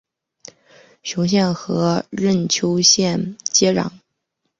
雄县与任丘市接壤。